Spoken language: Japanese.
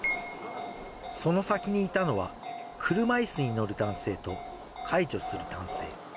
その先にいたのは、車いすに乗る男性と、介助する男性。